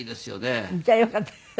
じゃあよかった。